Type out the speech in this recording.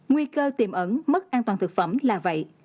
nguy cơ tiềm ẩn mất an toàn thực phẩm là vậy